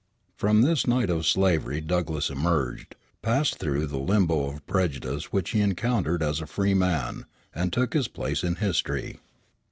From this night of slavery Douglass emerged, passed through the limbo of prejudice which he encountered as a freeman, and took his place in history.